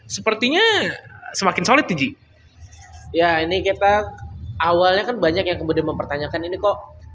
sepertinya semakin solid di ji ya ini kita awalnya kan banyak yang kemudian mempertanyakan ini kok